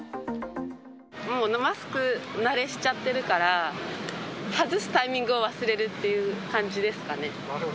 もうマスク慣れしちゃってるから、外すタイミングを忘れるって感じですかね。